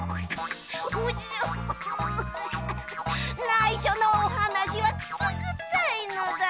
ないしょのおはなしはくすぐったいのだ。